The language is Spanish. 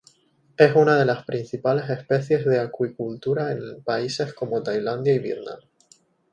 Es una de las principales especies de acuicultura en países como Tailandia y Vietnam.